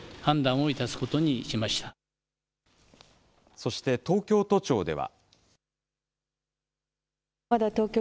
そして、東京都庁では。